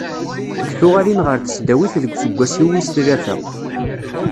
Deg tuɣalin ɣer tesdawit deg useggas-iw wis tlata.